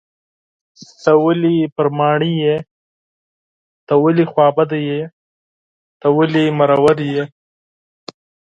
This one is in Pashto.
ته ولې پر ماڼي یې .ته ولې خوابدی یې .ته ولې مرور یې